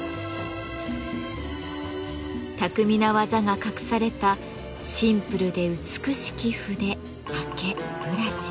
巧みな技が隠されたシンプルで美しき筆刷毛ブラシ。